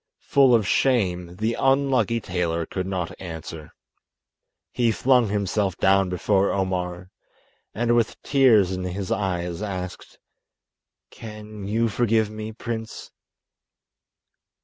Full of shame, the unlucky tailor could not answer. He flung himself down before Omar, and with tears in his eyes asked: "Can you forgive me, prince?"